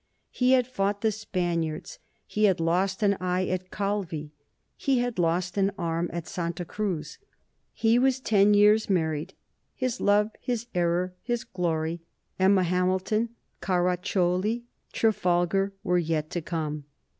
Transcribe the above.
He had fought the Spaniards. He had lost an eye at Calvi. He had lost an arm at Santa Cruz. He was ten years married. His love, his error, his glory, Emma Hamilton, Carracioli, Trafalgar, were yet to come.